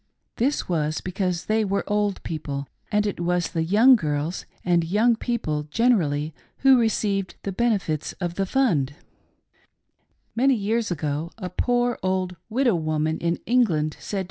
This was because they were old people, and it was the young girls and young people generally who received the benefits of the fund: Many years ago a poor old widow woman in England said